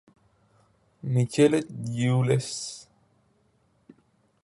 Michelet, Jules.